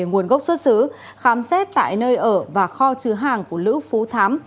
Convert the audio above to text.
nguồn gốc xuất xứ khám xét tại nơi ở và kho chứa hàng của lữ phú thám